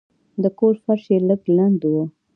د کور فرش یې لږ لند و.